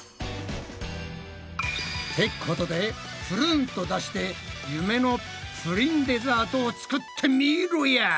ってことでぷるんと出して夢のプリンデザートを作ってみろや！